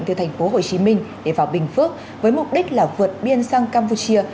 từ tp hcm để vào bình phước với mục đích là vượt biên sang campuchia